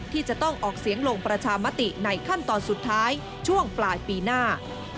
ที่จะต้องออกเสียงลงประชามติในขั้นตอนสุดท้ายช่วงปลายปีหน้า